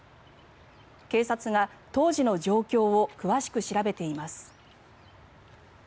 警察が当時の状況を詳しく調べています。